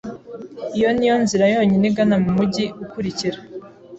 Iyi ni yo nzira yonyine igana mu mujyi ukurikira.